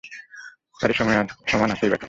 তার সমান আছেই বা কে?